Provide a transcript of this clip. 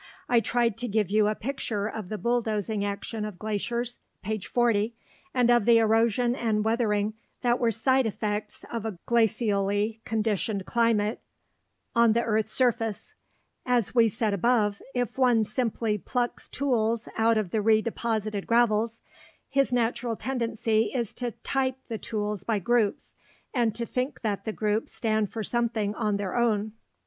I tried to give you a picture of the bulldozing action of glaciers (p. 40) and of the erosion and weathering that were side effects of a glacially conditioned climate on the earth's surface. As we said above, if one simply plucks tools out of the redeposited gravels, his natural tendency is to "type" the tools by groups, and to think that the groups stand for something on their own.